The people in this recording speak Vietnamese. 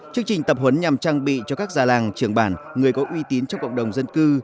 chương trình tập huấn nhằm trang bị cho các già làng trưởng bản người có uy tín trong cộng đồng dân cư